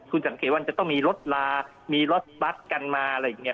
คุณสังเกตว่าจะต้องมีรถลามีรถบัตรกันมาอะไรอย่างนี้